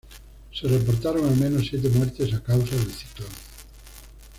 Se reportaron al menos siete muertes a causa del ciclón.